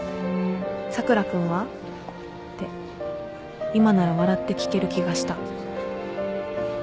佐倉君は？って今なら笑って聞ける気がした